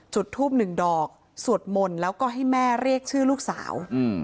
จุดทูบหนึ่งดอกสวดมนต์แล้วก็ให้แม่เรียกชื่อลูกสาว